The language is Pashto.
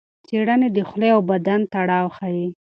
څېړنې د خولې او بدن تړاو ښيي.